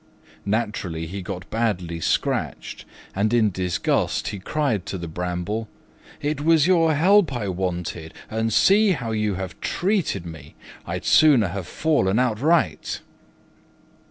Naturally, he got badly scratched, and in disgust he cried to the Bramble, "It was your help I wanted, and see how you have treated me! I'd sooner have fallen outright."